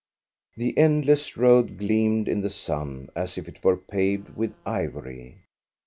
The endless road gleamed in the sun as if it were paved with ivory.